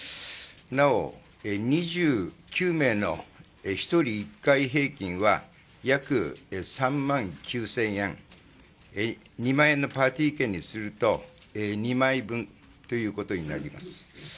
なお、２９名の１人１回平均は約３万９０００円、２万円のパーティー券にすると２枚分になります。